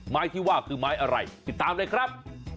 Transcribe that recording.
ไม้ที่ว่าคือไม้อะไรติดตามเลยครับ